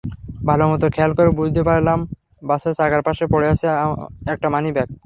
ভালোমতো খেয়াল করে বুঝতে পারলাম বাসের চাকার পাশে পড়ে আছে একটা মানিব্যাগ।